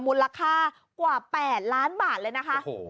มูลค่ากว่าแปดล้านบาทเลยนะคะโอ้โห